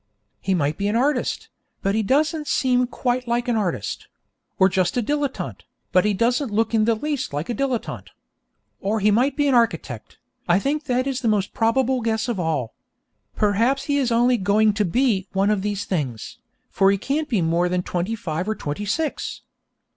He might be an artist, but he doesn't seem quite like an artist; or just a dilettante, but he doesn't look in the least like a dilettante. Or he might be an architect; I think that is the most probable guess of all. Perhaps he is only 'going to be' one of these things, for he can't be more than twenty five or twenty six.